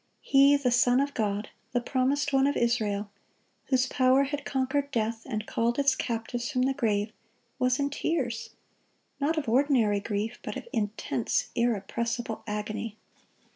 He, the Son of God, the Promised One of Israel, whose power had conquered death, and called its captives from the grave, was in tears, not of ordinary grief, but of intense, irrepressible agony.